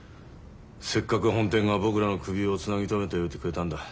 せっかく本店が僕らの首をつなぎ止めておいてくれたんだ。